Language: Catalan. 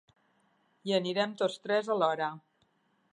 Hi anirem tots tres alhora.